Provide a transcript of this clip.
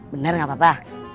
bener gak apa apa